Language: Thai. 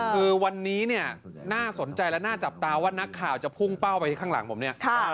คือวันนี้เนี่ยน่าสนใจและน่าจับตาว่านักข่าวจะพุ่งเป้าไปข้างหลังผมเนี่ย